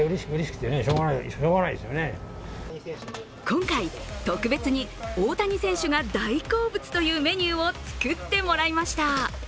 今回、特別に大谷選手が大好物というメニューを作ってもらいました。